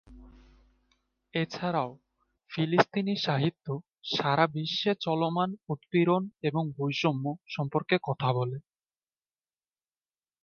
এ ছাড়াও, ফিলিস্তিনি সাহিত্য সারা বিশ্বে চলমান উৎপীড়ন এবং বৈষম্য সম্পর্কে কথা বলে।